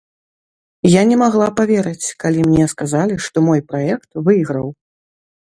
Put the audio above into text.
Я не магла паверыць, калі мне сказалі, што мой праект выйграў.